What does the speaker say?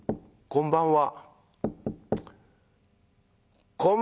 こんばんは。